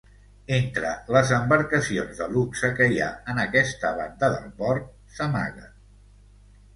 Entre les embarcacions de luxe que hi ha en aquesta banda del port, s'amaguen.